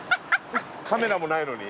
カメラもないのに。